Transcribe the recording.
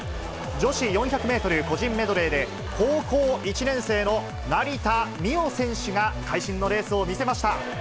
女子４００メートル個人メドレーで、高校１年生の成田実生選手が会心のレースを見せました。